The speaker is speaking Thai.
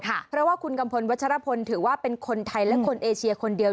เพราะว่าคุณกัมพลวัชรพลถือว่าเป็นคนไทยและคนเอเชียคนเดียว